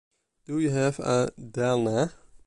Do you have a Delna?